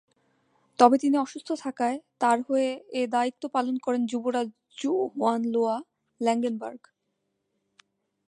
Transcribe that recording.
তবে তিনি অসুস্থ থাকায় তাঁর হয়ে এ দায়িত্ব পালন করেন যুবরাজ জু হোয়েনলোয়া-ল্যাঙ্গেনবার্গ।